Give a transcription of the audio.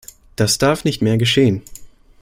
Das darf nicht mehr geschehen.